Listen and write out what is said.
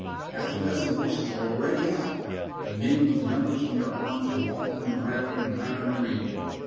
Half a dozen horses are already out, and men with numbers on their arms are walking them round and round in a ring.